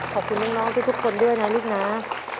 ขอบคุณน้องทุกคนด้วยนะลูกนะ